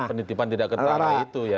penitipan tidak ketahui itu ya